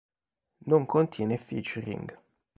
Non contiene featuring.